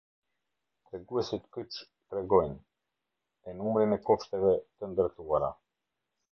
Treguesit kyç tregojnë: e Numrin e kopshteve të ndërtuara.